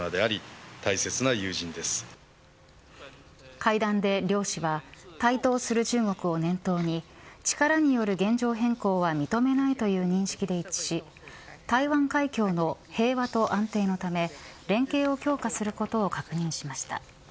会談で両氏は台頭する中国を念頭に力による現状変更は認めないとの認識で一致し台湾海峡の平和と安定のため連携を強化することを確認しました。